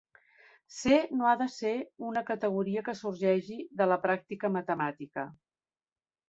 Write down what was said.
"C" no ha de ser una categoria que sorgeixi de la pràctica matemàtica.